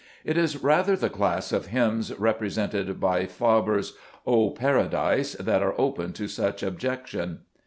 It is rather the class of hymns represented by Faber's " O Paradise " that are open to such objection.